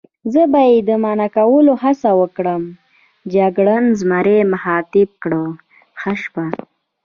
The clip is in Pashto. زه به یې د منع کولو هڅه وکړم، جګړن زمري مخاطب کړ: ښه شپه.